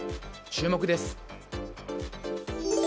注目です。